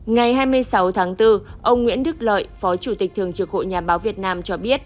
ngày hai mươi sáu tháng bốn ông nguyễn đức lợi phó chủ tịch thường trực hội nhà báo việt nam cho biết